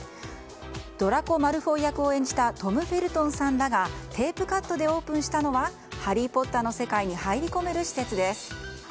ドラコ・マルフォイ役を演じたトム・フェルトンさんらがテープカットでオープンしたのは「ハリー・ポッター」の世界に入り込める施設です。